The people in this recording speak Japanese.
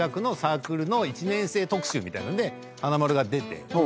みたいなので華丸が出て。